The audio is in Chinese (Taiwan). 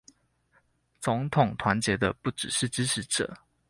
總統團結的不只是支持者